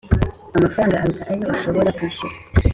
amafaranga aruta ayo ushobora kwishyura